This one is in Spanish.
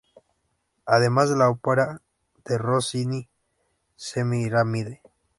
Además de la ópera de Rossini "Semiramide".